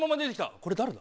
これ誰だ？